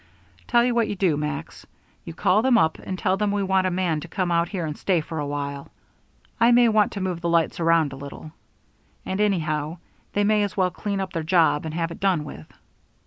"Tell you what you do, Max; you call them up and tell them we want a man to come out here and stay for a while. I may want to move the lights around a little. And, anyhow, they may as well clean up their job and have it done with."